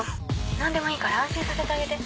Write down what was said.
何でもいいから安心させてあげて。